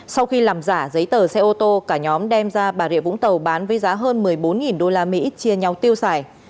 sau khi làm giả giấy tờ xe ô tô cả nhóm đem ra bà rịa vũng tàu bán với giá hơn một mươi bốn usd chia nhau tiêu xài